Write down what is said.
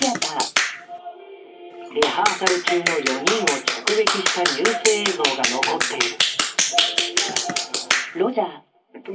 リハーサル中の４人を直撃したニュース映像が残っている。